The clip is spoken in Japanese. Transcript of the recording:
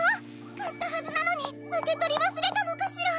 かったはずなのにうけとりわすれたのかしら！？